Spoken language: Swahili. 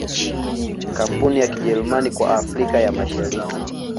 Kampuni ya Kijerumani kwa Afrika ya Mashariki